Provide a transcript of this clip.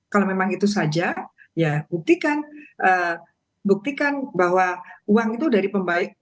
kalau memang itu saja ya buktikan buktikan bahwa uang itu dari pembaik